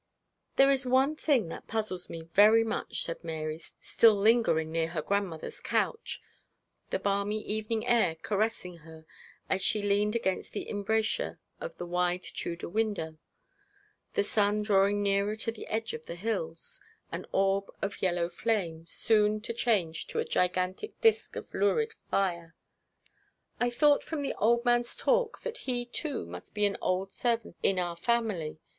'There is one thing that puzzles me very much,' said Mary, still lingering near her grandmother's couch, the balmy evening air caressing her as she leaned against the embrasure of the wide Tudor window, the sun drawing nearer to the edge of the hills, an orb of yellow flame, soon to change to a gigantic disk of lurid fire. 'I thought from the old man's talk that he, too, must be an old servant in our family.